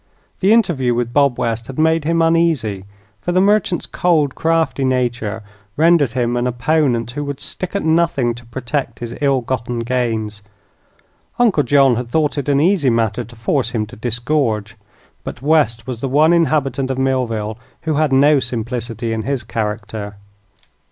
The interview with Bob West had made him uneasy, for the merchant's cold, crafty nature rendered him an opponent who would stick at nothing to protect his ill gotten gains. Uncle John had thought it an easy matter to force him to disgorge, but West was the one inhabitant of Millville who had no simplicity in his character.